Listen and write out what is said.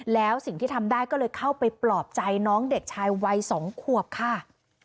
แล้วสิ่งที่ทำได้ก็เลยเข้าไปปลอบใจน้องเด็กชายวัย๒ขวบค่ะ